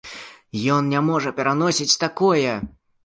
Ён не можа пераносіць такое.